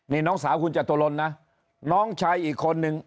นี่น้องสาวคุณจตุรนนะน้องชายอีกคนนึง